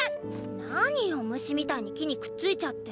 何よ虫みたいに木にくっついちゃって。